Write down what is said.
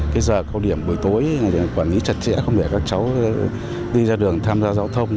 cái giờ cao điểm buổi tối quản lý chặt chẽ không để các cháu đi ra đường tham gia giao thông